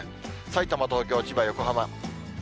さいたま、東京、千葉、横浜。